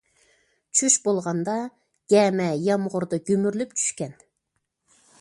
چۈش بولغاندا گەمە يامغۇردا گۈمۈرۈلۈپ چۈشكەن.